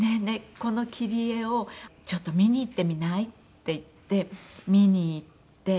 この切り絵をちょっと見に行ってみない？」って言って見に行って。